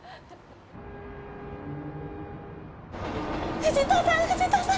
藤田さん藤田さん！